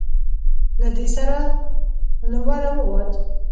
له دې سره له وره ووت.